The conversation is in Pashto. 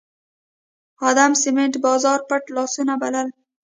ادم سمېت بازار پټ لاسونه بلل